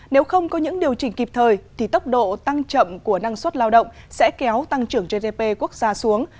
nếu không có những điều chỉnh kịp thời thì tốc độ tăng chậm của năng suất lao động sẽ kéo tăng trưởng gdp quốc gia xuống